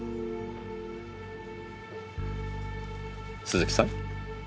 鈴木さん？